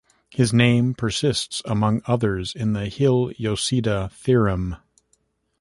His name persists among others in the Hille-Yosida theorem.